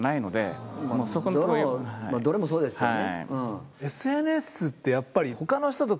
どれもそうですよね。